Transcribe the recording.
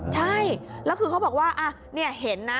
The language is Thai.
ใช่แล้วคือเขาบอกว่าเห็นนะ